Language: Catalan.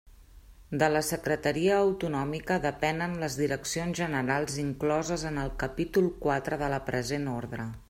De la Secretaria Autonòmica depenen les direccions generals incloses en el capítol quatre de la present orde.